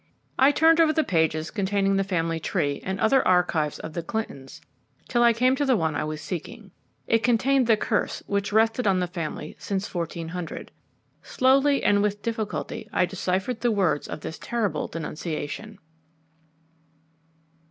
I turned over the pages containing the family tree and other archives of the Clintons till I came to the one I was seeking. It contained the curse which had rested on the family since 1400. Slowly and with difficulty I deciphered the words of this terrible denunciation.